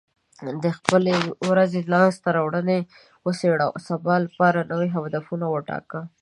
د خپلې ورځې لاسته راوړنې وڅېړه، او د سبا لپاره نوي هدفونه وټاکه.